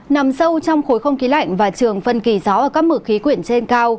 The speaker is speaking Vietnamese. nằm sâu trong khối không khí lạnh và trường phân kỳ gió ở các mực khí quyển trên cao